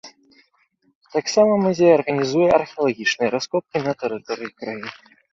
Таксама музей арганізуе археалагічныя раскопкі на тэрыторыі краіны.